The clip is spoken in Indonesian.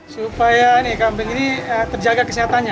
supaya kambing ini terjaga kesehatannya